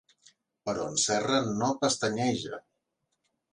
Però en Serra no pestanyeja.